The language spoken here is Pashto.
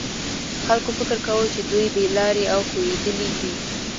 خلکو فکر کاوه چې دوی بې لارې او ښویېدلي دي.